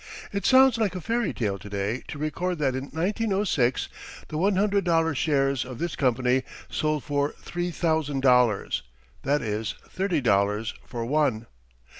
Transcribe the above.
It sounds like a fairy tale to day to record that in 1906 the one hundred dollar shares of this company sold for three thousand dollars that is, thirty dollars for one.